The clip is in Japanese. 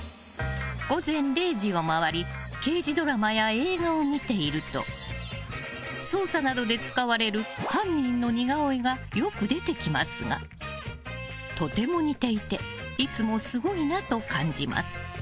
午前０時を回り刑事ドラマや映画を見ていると捜査などで使われる犯人の似顔絵がよく出てきますがとても似ていていつもすごいなと感じます。